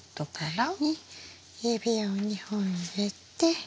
苗に指を２本入れて。